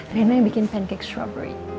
rina yang bikin pancake strawberry